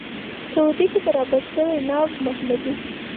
سعودي کې برابر شوی ناب محمدي.